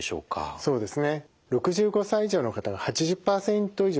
そうですね。